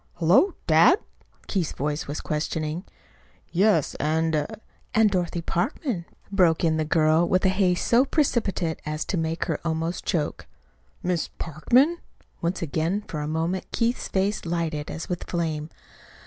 "Hullo! Dad?" Keith's voice was questioning. "Yes; and " "And Dorothy Parkman," broke in the girl with a haste so precipitate as to make her almost choke. "Miss Parkman?" Once again, for a moment, Keith's face lighted as with a flame.